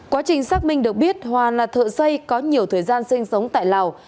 quá trình xác minh được biết hòa là thợ xây có nhiều thời gian sinh sống tại lào